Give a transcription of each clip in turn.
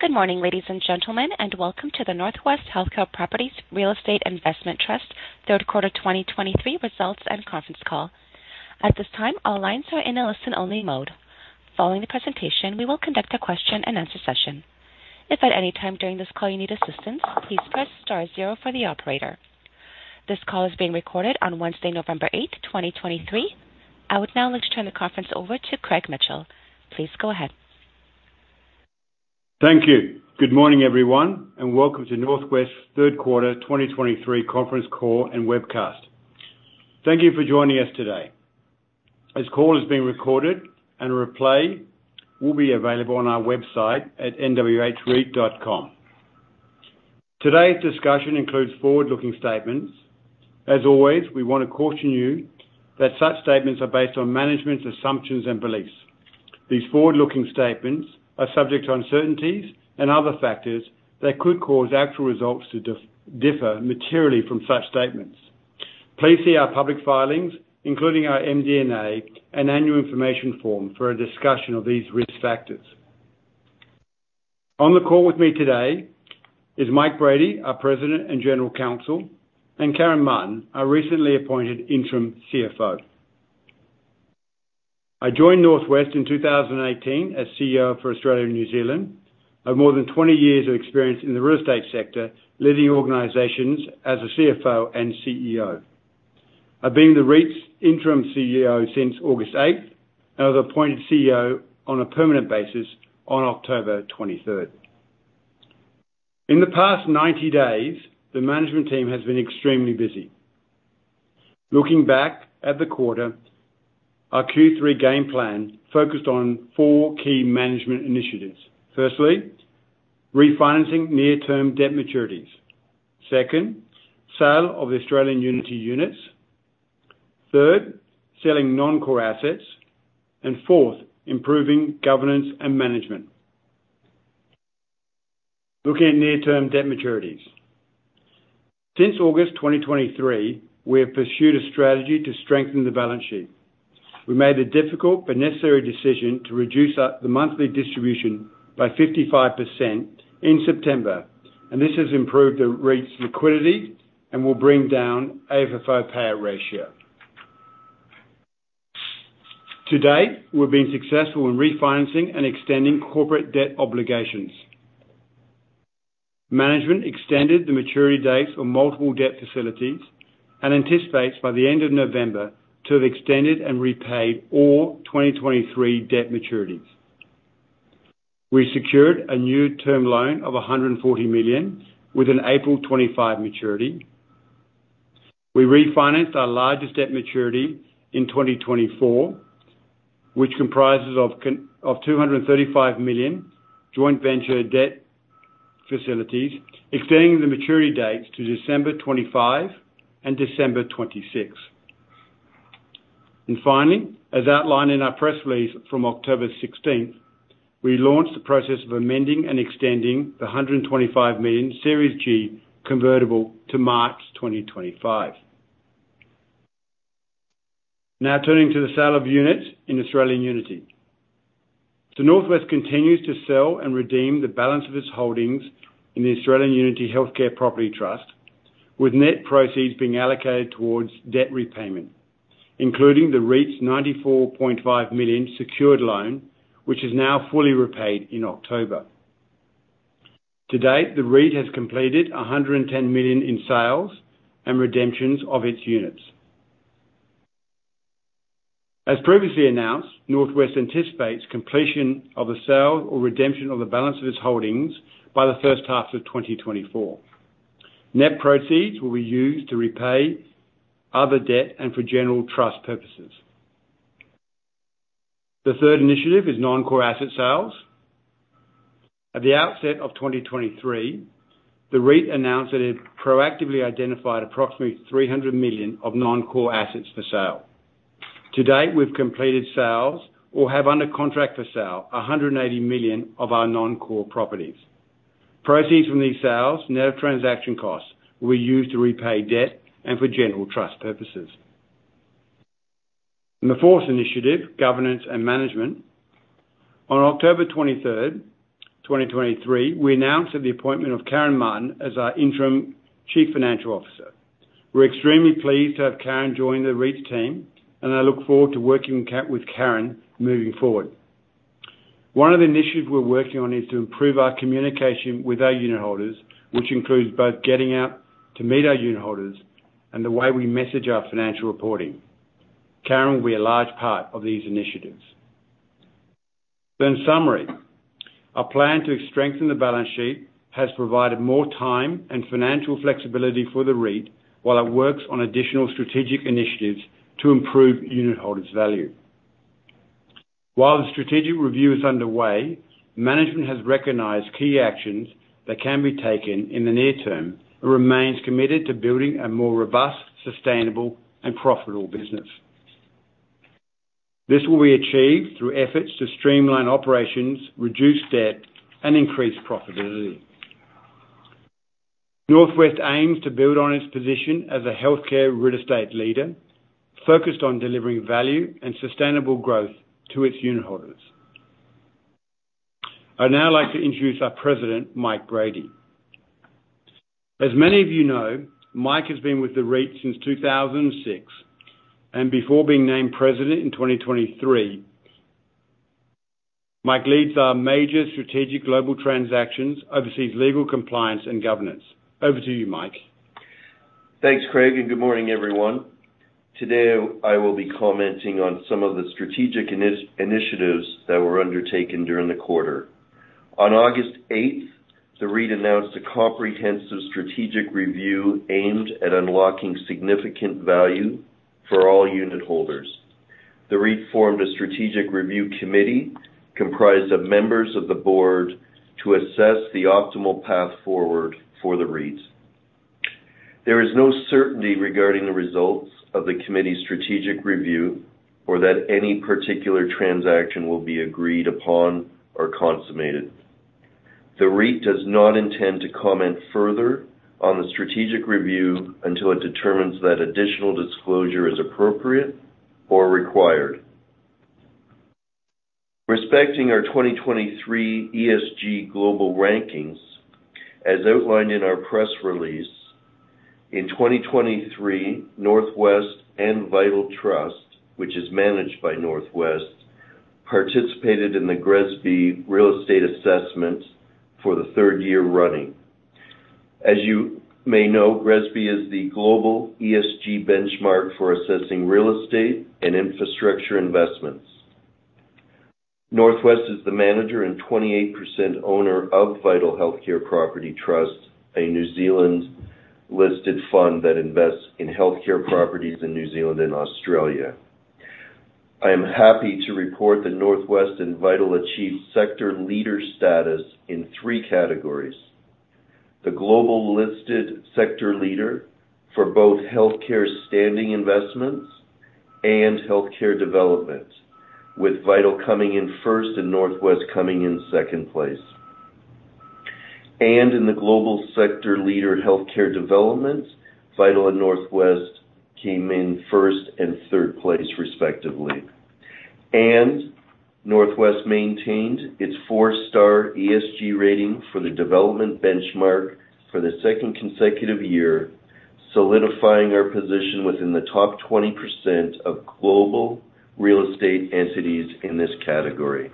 Good morning, ladies and gentlemen, and welcome to the NorthWest Healthcare Properties Real Estate Investment Trust Third Quarter 2023 results and conference call. At this time, all lines are in a listen-only mode. Following the presentation, we will conduct a question and answer session. If at any time during this call you need assistance, please press star zero for the operator. This call is being recorded on Wednesday, November 8, 2023. I would now like to turn the conference over to Craig Mitchell. Please go ahead. Thank you. Good morning, everyone, and welcome to NorthWest's Third Quarter 2023 conference call and webcast. Thank you for joining us today. This call is being recorded, and a replay will be available on our website at nwhreit.com. Today's discussion includes forward-looking statements. As always, we want to caution you that such statements are based on management's assumptions and beliefs. These forward-looking statements are subject to uncertainties and other factors that could cause actual results to differ materially from such statements. Please see our public filings, including our MD&A and Annual Information Form, for a discussion of these risk factors. On the call with me today is Mike Brady, our President and General Counsel, and Karen Martin, our recently appointed interim CFO. I joined NorthWest in 2018 as CEO for Australia and New Zealand. I have more than 20 years of experience in the real estate sector, leading organizations as a CFO and CEO. I've been the REIT's interim CEO since August 8th, and I was appointed CEO on a permanent basis on October 23rd. In the past 90 days, the management team has been extremely busy. Looking back at the quarter, our Q3 game plan focused on four key management initiatives. Firstly, refinancing near-term debt maturities, second, sale of the Australian Unity units, third, selling non-core assets, and fourth, improving governance and management. Looking at near-term debt maturities. Since August 2023, we have pursued a strategy to strengthen the balance sheet. We made a difficult but necessary decision to reduce the monthly distribution by 55% in September, and this has improved the REIT's liquidity and will bring down AFFO payout ratio. To date, we've been successful in refinancing and extending corporate debt obligations. Management extended the maturity dates on multiple debt facilities and anticipates by the end of November to have extended and repaid all 2023 debt maturities. We secured a new term loan of 140 million, with an April 2025 maturity. We refinanced our largest debt maturity in 2024, which comprises of 235 million joint venture debt facilities, extending the maturity dates to December 2025 and December 2026. And finally, as outlined in our press release from October 16, we launched the process of amending and extending the 125 million Series G convertible to March 2025. Now turning to the sale of units in Australian Unity. NorthWest continues to sell and redeem the balance of its holdings in the Australian Unity Healthcare Property Trust, with net proceeds being allocated towards debt repayment, including the REIT's 94.5 million secured loan, which is now fully repaid in October. To date, the REIT has completed 110 million in sales and redemptions of its units. As previously announced, NorthWest anticipates completion of the sale or redemption of the balance of its holdings by the first half of 2024. Net proceeds will be used to repay other debt and for general trust purposes. The third initiative is non-core asset sales. At the outset of 2023, the REIT announced that it proactively identified approximately 300 million of non-core assets for sale. To date, we've completed sales or have under contract for sale, 180 million of our non-core properties. Proceeds from these sales, net of transaction costs, will be used to repay debt and for general trust purposes. The 4th initiative, governance and management. On October 23rd, 2023, we announced the appointment of Karen Martin as our Interim Chief Financial Officer. We're extremely pleased to have Karen join the REIT team, and I look forward to working with Karen moving forward. One of the initiatives we're working on is to improve our communication with our unitholders, which includes both getting out to meet our unitholders and the way we message our financial reporting. Karen will be a large part of these initiatives. In summary, our plan to strengthen the balance sheet has provided more time and financial flexibility for the REIT while it works on additional strategic initiatives to improve unitholders' value. While the strategic review is underway, management has recognized key actions that can be taken in the near term and remains committed to building a more robust, sustainable and profitable business. This will be achieved through efforts to streamline operations, reduce debt, and increase profitability. NorthWest aims to build on its position as a healthcare real estate leader, focused on delivering value and sustainable growth to its unitholders. I'd now like to introduce our President, Mike Brady. As many of you know, Mike has been with the REIT since 2006, and before being named President in 2023, Mike leads our major strategic global transactions, oversees legal, compliance, and governance. Over to you, Mike. Thanks, Craig, and good morning, everyone. Today, I will be commenting on some of the strategic initiatives that were undertaken during the quarter. On August 8, the REIT announced a comprehensive strategic review aimed at unlocking significant value for all unitholders. The REIT formed a strategic review committee, comprised of members of the board, to assess the optimal path forward for the REIT. There is no certainty regarding the results of the committee's strategic review or that any particular transaction will be agreed upon or consummated. The REIT does not intend to comment further on the strategic review until it determines that additional disclosure is appropriate or required. Respecting our 2023 ESG global rankings, as outlined in our press release, in 2023, NorthWest and Vital Trust, which is managed by NorthWest, participated in the GRESB Real Estate Assessment for the third year running. As you may know, GRESB is the global ESG benchmark for assessing real estate and infrastructure investments. NorthWest is the manager and 28% owner of Vital Healthcare Property Trust, a New Zealand-listed fund that invests in healthcare properties in New Zealand and Australia. I am happy to report that NorthWest and Vital achieved sector leader status in three categories: the global listed sector leader for both healthcare standing investments and healthcare development, with Vital coming in first and NorthWest coming in second place. In the global sector leader healthcare development, Vital and NorthWest came in first and third place, respectively. NorthWest maintained its four-star ESG rating for the development benchmark for the second consecutive year, solidifying our position within the top 20% of global real estate entities in this category.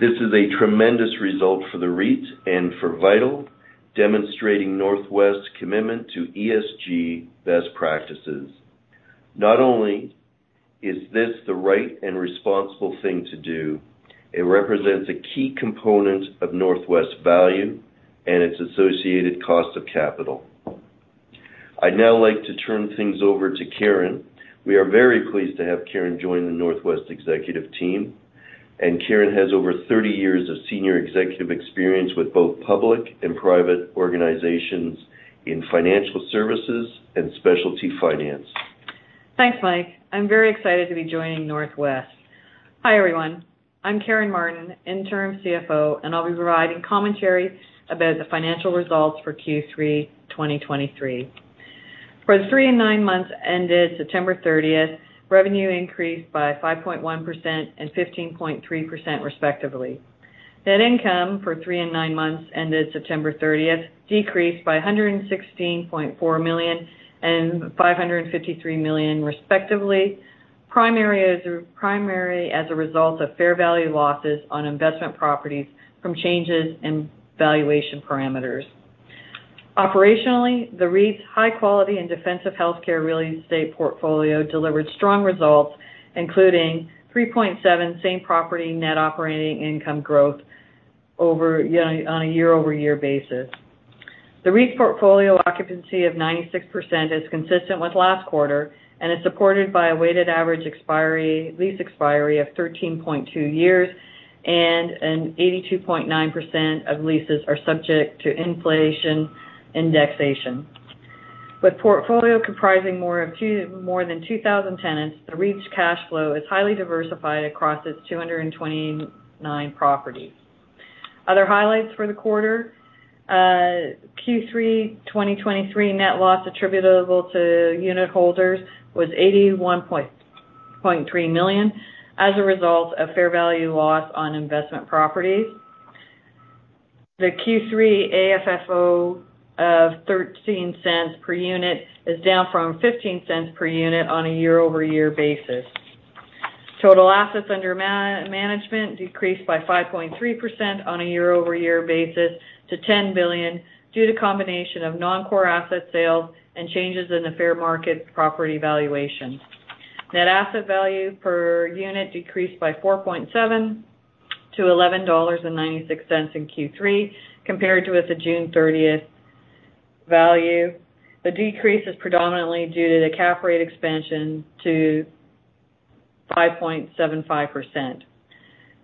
This is a tremendous result for the REIT and for Vital, demonstrating NorthWest's commitment to ESG best practices. Not only is this the right and responsible thing to do, it represents a key component of NorthWest value and its associated cost of capital. I'd now like to turn things over to Karen. We are very pleased to have Karen join the NorthWest executive team, and Karen has over 30 years of senior executive experience with both public and private organizations in financial services and specialty finance. Thanks, Mike. I'm very excited to be joining NorthWest. Hi, everyone. I'm Karen Martin, interim CFO, and I'll be providing commentary about the financial results for Q3 2023. For the three and nine months ended September 30th, revenue increased by 5.1% and 15.3%, respectively. Net income for three and nine months, ended September 30th, decreased by 116.4 million and 553 million, respectively, primarily as a result of fair value losses on investment properties from changes in valuation parameters. Operationally, the REIT's high quality and defensive healthcare real estate portfolio delivered strong results, including 3.7 same property net operating income growth over, you know, on a year-over-year basis. The REIT's portfolio occupancy of 96% is consistent with last quarter, and is supported by a weighted average lease expiry of 13.2 years, and 82.9% of leases are subject to inflation indexation. With portfolio comprising more than 2,000 tenants, the REIT's cash flow is highly diversified across its 229 properties. Other highlights for the quarter, Q3 2023 net loss attributable to unitholders was 81.3 million, as a result of fair value loss on investment properties. The Q3 AFFO of 0.13 per unit is down from 0.15 per unit on a year-over-year basis. Total assets under management decreased by 5.3% on a year-over-year basis to 10 billion, due to combination of non-core asset sales and changes in the fair market property valuation. Net asset value per unit decreased by 4.7 to 11.96 dollars in Q3, compared with the June 30 value. The decrease is predominantly due to the cap rate expansion to 5.75%.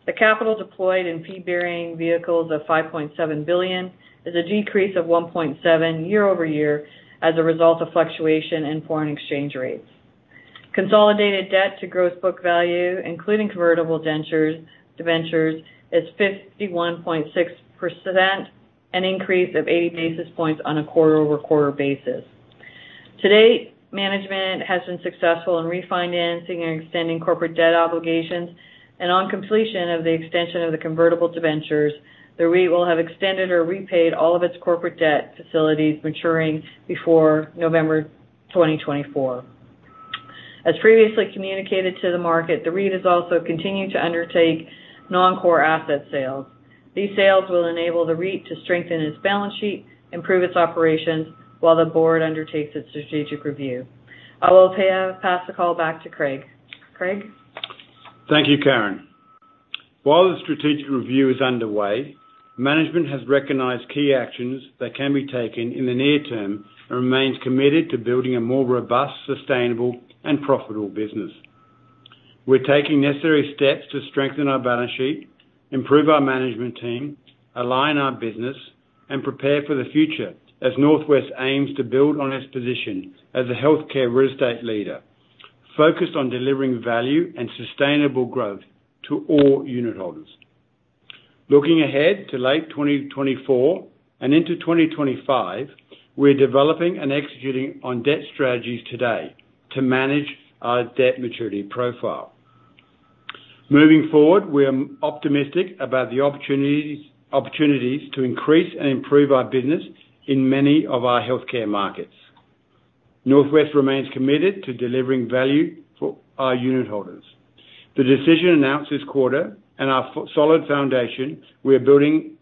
The capital deployed in fee-bearing vehicles of 5.7 billion is a decrease of 1.7 year-over-year as a result of fluctuation in foreign exchange rates. Consolidated debt to gross book value, including convertible debentures, is 51.6%, an increase of 80 basis points on a quarter-over-quarter basis. To date, management has been successful in refinancing and extending corporate debt obligations, and on completion of the extension of the convertible debentures, the REIT will have extended or repaid all of its corporate debt facilities maturing before November 2024. As previously communicated to the market, the REIT is also continuing to undertake non-core asset sales. These sales will enable the REIT to strengthen its balance sheet, improve its operations, while the board undertakes its strategic review. I will pass the call back to Craig. Craig? Thank you, Karen. While the strategic review is underway, management has recognized key actions that can be taken in the near term and remains committed to building a more robust, sustainable, and profitable business. We're taking necessary steps to strengthen our balance sheet, improve our management team, align our business, and prepare for the future as NorthWest aims to build on its position as a healthcare real estate leader, focused on delivering value and sustainable growth to all unit holders. Looking ahead to late 2024 and into 2025, we're developing and executing on debt strategies today to manage our debt maturity profile. Moving forward, we are optimistic about the opportunities, opportunities to increase and improve our business in many of our healthcare markets. NorthWest remains committed to delivering value for our unit holders. The decision announced this quarter and our solid foundation, we are building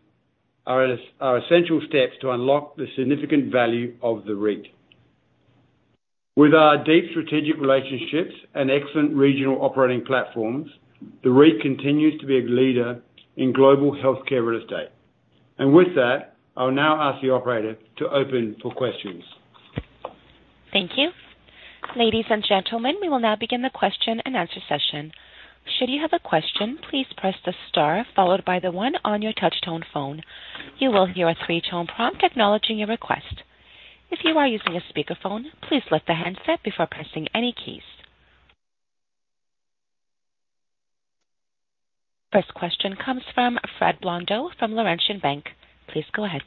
are essential steps to unlock the significant value of the REIT. With our deep strategic relationships and excellent regional operating platforms, the REIT continues to be a leader in global healthcare real estate. And with that, I'll now ask the operator to open for questions. Thank you. Ladies and gentlemen, we will now begin the question-and-answer session. Should you have a question, please press the star followed by the one on your touchtone phone. You will hear a three-tone prompt acknowledging your request. If you are using a speakerphone, please lift the handset before pressing any keys. First question comes from Fred Blondeau from Laurentian Bank. Please go ahead.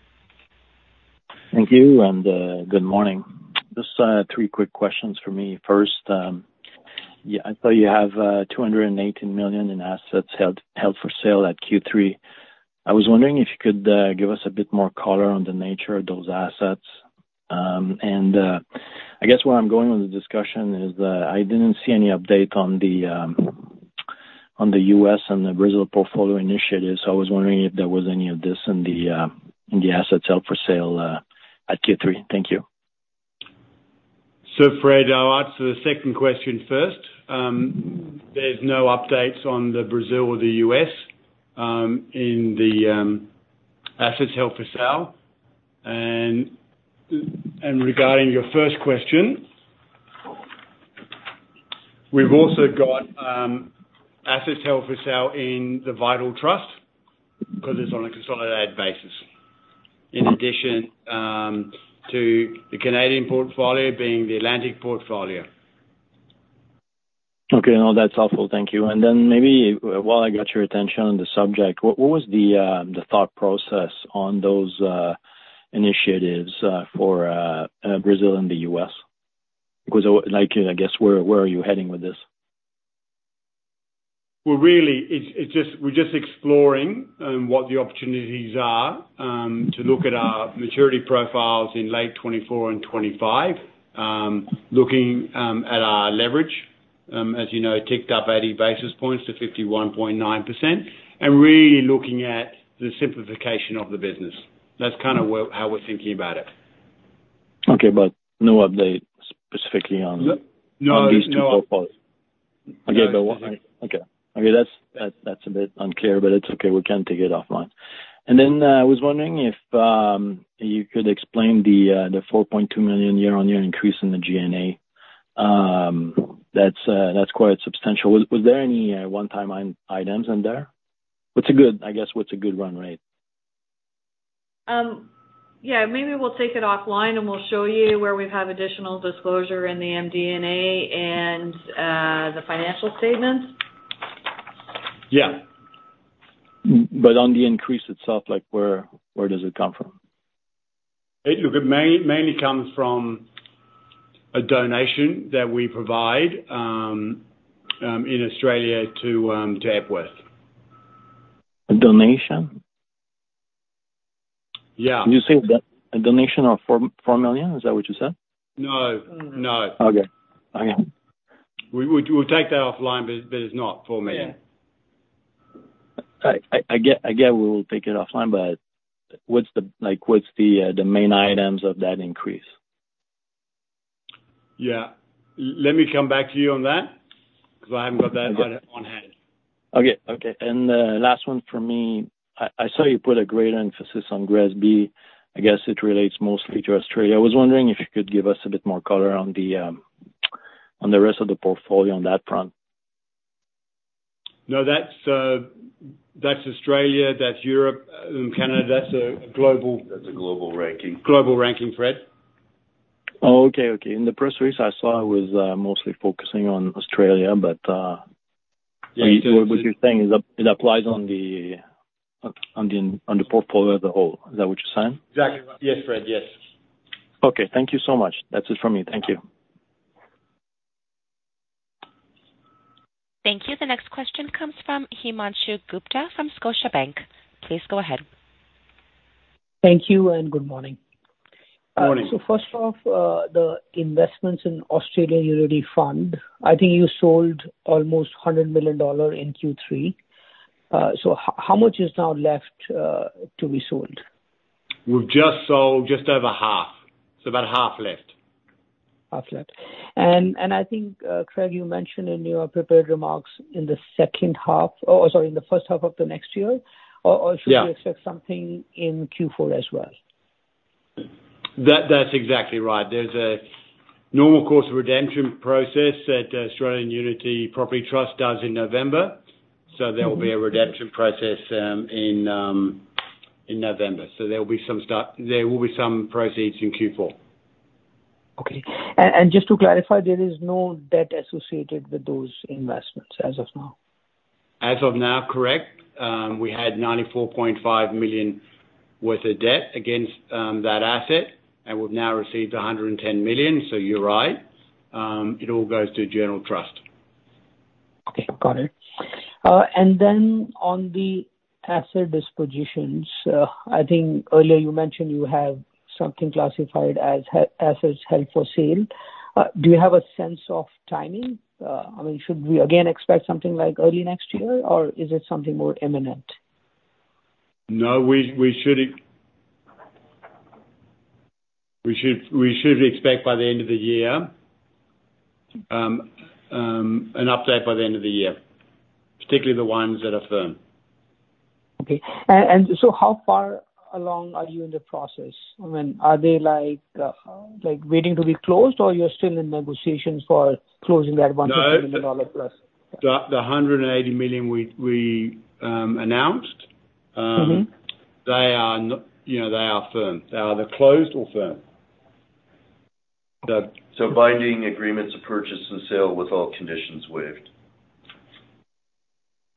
Thank you, and good morning. Just three quick questions for me. First, yeah, I saw you have 218 million in assets held for sale at Q3. I was wondering if you could give us a bit more color on the nature of those assets. And I guess where I'm going with the discussion is that I didn't see any update on the US and the Brazil portfolio initiative. So I was wondering if there was any of this in the assets held for sale at Q3. Thank you. So, Fred, I'll answer the second question first. There's no updates on the Brazil or the U.S., in the assets held for sale. And regarding your first question, we've also got assets held for sale in the Vital Trust, because it's on a consolidated basis, in addition to the Canadian portfolio being the Atlantic portfolio. Okay. No, that's helpful. Thank you. And then maybe while I got your attention on the subject, what was the thought process on those initiatives for Brazil and the US? Because, like, I guess, where are you heading with this? Well, really, it's just we're just exploring what the opportunities are to look at our maturity profiles in late 2024 and 2025. Looking at our leverage, as you know, ticked up 80 basis points to 51.9%, and really looking at the simplification of the business. That's kind of where, how we're thinking about it. Okay, but no update specifically on- No. - these two portfolios? No. Okay. But what. Okay. Okay, that's a bit unclear, but it's okay. We can take it offline. And then, I was wondering if you could explain the the 4.2 million year-on-year increase in the G&A. That's quite substantial. Was there any one-time items in there? What's a good, I guess, what's a good run rate? Yeah, maybe we'll take it offline, and we'll show you where we have additional disclosure in the MD&A and the financial statements. Yeah. But on the increase itself, like, where, where does it come from? It mainly comes from a donation that we provide in Australia to Epworth. A donation? Yeah. You said a donation of 4.4 million? Is that what you said? No, no. Okay. Okay. We'll take that offline, but it's not CAD 4 million. Yeah. I get, I get we will take it offline, but what's the like, what's the, the main items of that increase? Yeah. Let me come back to you on that, because I haven't got that on hand. Okay. Okay. And, last one for me. I saw you put a great emphasis on GRESB. I guess it relates mostly to Australia. I was wondering if you could give us a bit more color on the, on the rest of the portfolio on that front. No, that's, that's Australia, that's Europe and Canada. That's a global- That's a global ranking. Global ranking, Fred. Oh, okay, okay. In the press release I saw was mostly focusing on Australia, but- Yeah. What you're saying is it applies on the portfolio as a whole. Is that what you're saying? Exactly. Yes, Fred. Yes. Okay. Thank you so much. That's it from me. Thank you. Thank you. The next question comes from Himanshu Gupta from Scotiabank. Please go ahead. Thank you and good morning. Good morning. So first off, the investments in Australian Unity Fund, I think you sold almost 100 million dollars in Q3. So how much is now left to be sold? We've just sold just over half, so about half left. Half left. And I think, Craig, you mentioned in your prepared remarks in the second half, oh, sorry, in the first half of the next year, or- Yeah. Also, you expect something in Q4 as well? That, that's exactly right. There's a normal course of redemption process that Australian Unity Property Trust does in November. Mm-hmm. So there will be a redemption process in November. So there will be some proceeds in Q4. Okay. And just to clarify, there is no debt associated with those investments as of now? As of now, correct. We had 94.5 million worth of debt against that asset, and we've now received 110 million, so you're right. It all goes to general trust. Okay, got it. And then on the asset dispositions, I think earlier you mentioned you have something classified as assets held for sale. Do you have a sense of timing? I mean, should we again expect something like early next year, or is it something more imminent? No, we should expect by the end of the year an update by the end of the year, particularly the ones that are firm. Okay. And so how far along are you in the process? I mean, are they like waiting to be closed, or you're still in negotiations for closing the advanced dollar plus? No, the 180 million we announced- Mm-hmm. They are, you know, they are firm. They are either closed or firm. Binding agreements of purchase and sale with all conditions waived.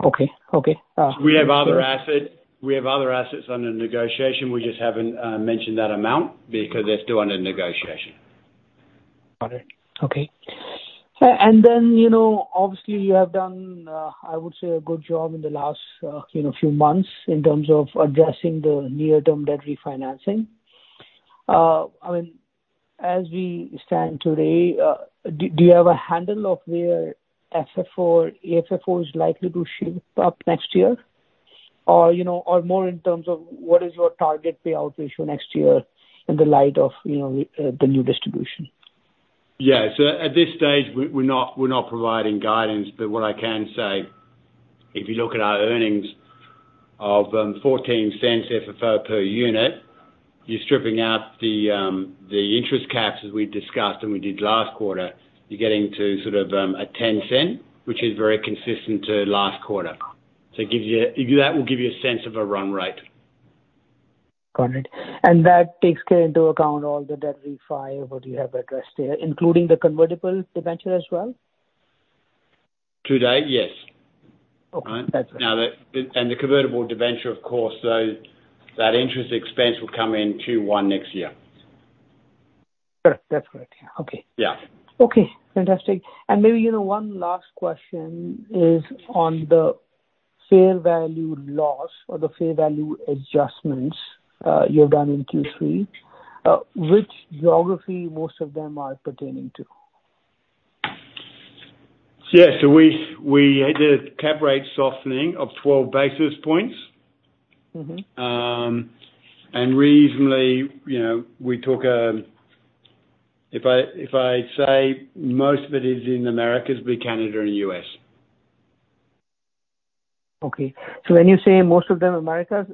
Okay. Okay, We have other asset, we have other assets under negotiation. We just haven't mentioned that amount because they're still under negotiation. Got it. Okay. And then, you know, obviously, you have done, I would say, a good job in the last, you know, few months in terms of addressing the near-term debt refinancing. I mean, as we stand today, do you have a handle of where FFO, AFFO, is likely to shift up next year? Or, you know, or more in terms of what is your target payout ratio next year in the light of, you know, the new distribution? Yeah. So at this stage, we're not providing guidance. But what I can say, if you look at our earnings of 0.14 FFO per unit, you're stripping out the interest caps, as we've discussed, and we did last quarter. You're getting to sort of a 0.10, which is very consistent to last quarter. So it gives you a, that will give you a sense of a run rate. Got it. That takes care into account all the debt refi, what you have addressed here, including the convertible debenture as well? To date, yes. Okay. That's- Now, and the convertible debenture, of course, so that interest expense will come in Q1 next year. Correct. That's correct. Okay. Yeah. Okay, fantastic. And maybe, you know, one last question is on the fair value loss or the fair value adjustments you've done in Q3. Which geography most of them are pertaining to? Yes. So we did a Cap Rate softening of 12 basis points. Mm-hmm. Reasonably, you know, we took. If I, if I say most of it is in Americas, it'd be Canada and U.S. Okay. So when you say most of them Americas,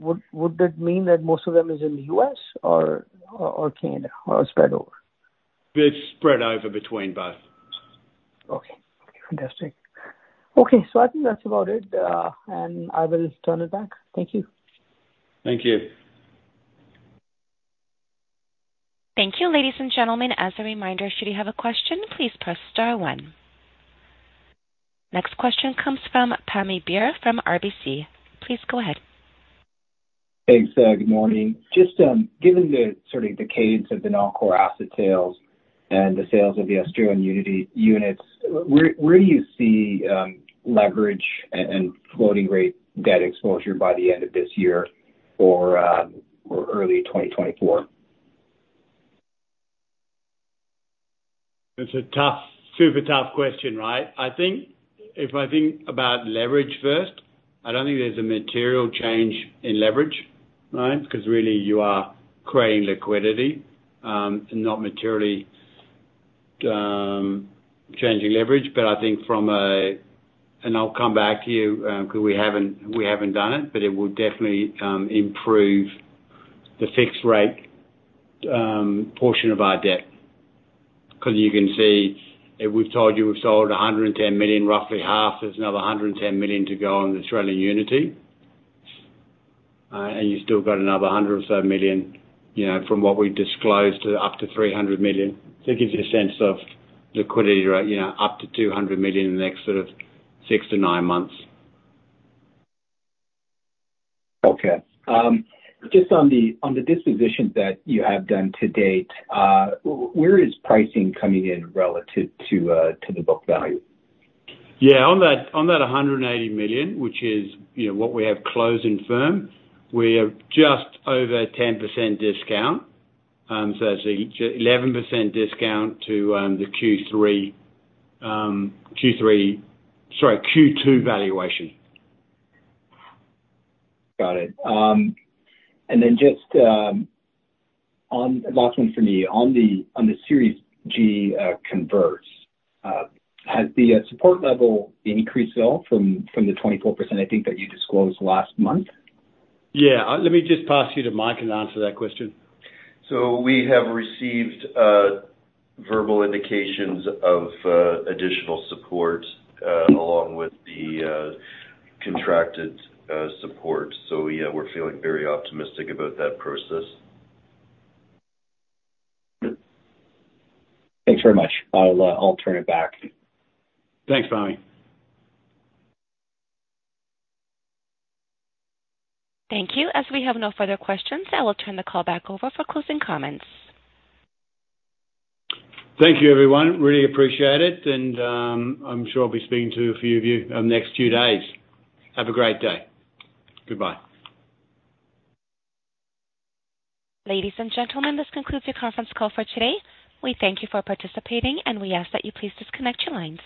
would that mean that most of them is in the U.S. or, Canada, or spread over? It's spread over between both. Okay, interesting. Okay, so I think that's about it, and I will turn it back. Thank you. Thank you. Thank you, ladies and gentlemen. As a reminder, should you have a question, please press star one. Next question comes from Pammi Bir from RBC. Please go ahead. Thanks, good morning. Just, given the sort of the cadence of the non-core asset sales and the sales of the Australian Unity units, where do you see leverage and floating rate debt exposure by the end of this year or early 2024? It's a tough, super tough question, right? I think if I think about leverage first, I don't think there's a material change in leverage, right? Because really you are creating liquidity, and not materially changing leverage. But I think, and I'll come back to you, because we haven't, we haven't done it, but it will definitely improve the fixed rate portion of our debt 'cause you can see, if we've told you we've sold 110 million, roughly half, there's another 110 million to go on Australian Unity. And you've still got another 100 or so million, you know, from what we've disclosed, up to 300 million. So it gives you a sense of liquidity rate, you know, up to 200 million in the next sort of 6-9 months. Okay. Just on the dispositions that you have done to date, where is pricing coming in relative to the book value? Yeah, on that, on that 180 million, which is, you know, what we have closed and firm, we are just over 10% discount. So it's 11% discount to, the Q3, sorry, Q2 valuation. Got it. And then just, on, last one for me, on the Series G converts, has the support level increased at all from the 24%, I think, that you disclosed last month? Yeah. Let me just pass you to Mike, and answer that question. So we have received verbal indications of additional support, along with the contracted support. So, yeah, we're feeling very optimistic about that process. Thanks very much. I'll turn it back. Thanks, Pammi. Thank you. As we have no further questions, I will turn the call back over for closing comments. Thank you, everyone. Really appreciate it, and, I'm sure I'll be speaking to a few of you on the next few days. Have a great day. Goodbye. Ladies and gentlemen, this concludes your conference call for today. We thank you for participating, and we ask that you please disconnect your lines.